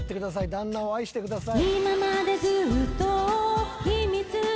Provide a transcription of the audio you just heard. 旦那を愛してください。